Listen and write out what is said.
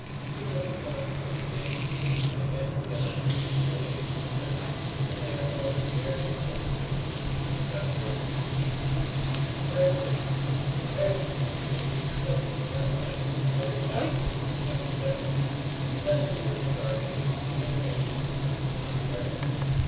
Free living forms of the same species may band together for mutual aid or defense, when they are called gregarious or communal (see Chapter XVI). Parasitic (Gr. wapd, beside, and oytot, food). — Parasitism will be discussed more at length in a later chapter (Chapter XVII), especially with regard to its de generating in fluence upon the parasite.